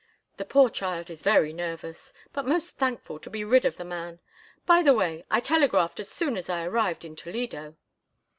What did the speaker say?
"The poor child is very nervous, but most thankful to be rid of the man. By the way, I telegraphed as soon as I arrived in Toledo."